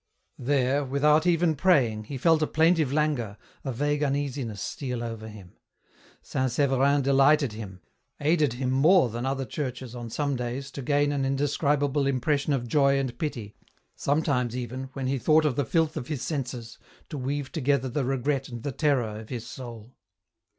There, without even praying, he felt a plaintive languor, a vague uneasiness steal over him ; St. Severin delighted him, aided him more than other churches on some days to gain an indescribable impression of joy and pity, sometimes even, when he thought of the filth of his senses, to weave together the regret and the terror of his soul.